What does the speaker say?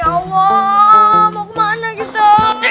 ya allah mau kemana gitu